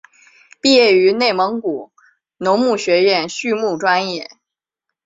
毕业于内蒙古农牧学院畜牧专业。